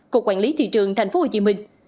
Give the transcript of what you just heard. cục quản lý thị trường tp hcm